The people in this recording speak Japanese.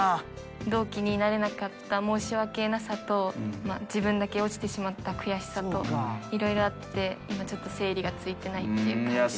同期になれなかった申し訳なさと、自分だけ落ちてしまった悔しさと、いろいろあって、今ちょっと、整理がついてないという感じです。